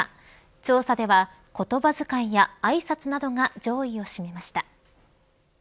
調査では、言葉遣いやあいさつなどが上位を占めました。